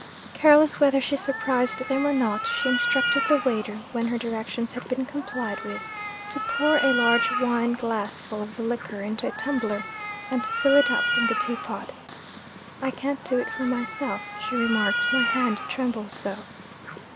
Careless whether she surprised them or not, she instructed the waiter, when her directions had been complied with, to pour a large wine glass full of the liqueur into a tumbler, and to fill it up from the teapot. 'I can't do it for myself,' she remarked, 'my hand trembles so.'